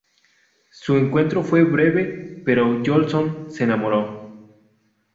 Su encuentro fue breve, pero Jolson se enamoró.